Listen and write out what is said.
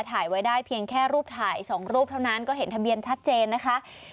ถ่ายไว้ได้เพียงแค่รูปถ่าย๒รูปเท่านั้นก็เห็นทะเบียนชัดเจนนะคะ